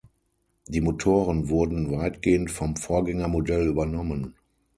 Die Motoren wurden weitgehend vom Vorgängermodell übernommen.